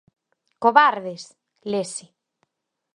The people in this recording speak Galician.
¡Covardes!, lese.